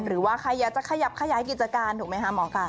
หรือว่าใครอยากจะขยับขยายกิจการถูกไหมคะหมอไก่